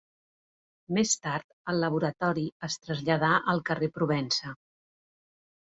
Més tard, el laboratori es traslladà al carrer Provença.